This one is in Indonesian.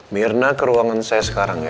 mirna keruangan saya sekarang ya